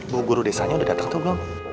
mau guru desanya udah datang tuh belum